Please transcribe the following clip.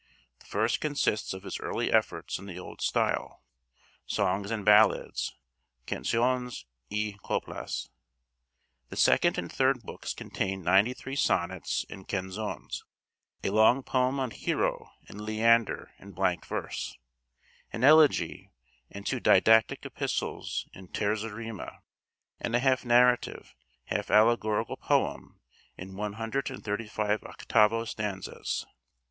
The first consists of his early efforts in the old style, songs and ballads 'Canciones y Coplas.' The second and third books contain ninety three sonnets and canzones; a long poem on Hero and Leander in blank verse; an elegy and two didactic epistles in terza rima, and a half narrative, half allegorical poem in one hundred and thirty five octavo stanzas.